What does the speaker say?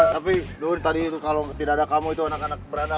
tapi dulu tadi itu kalau tidak ada kamu itu anak anak berada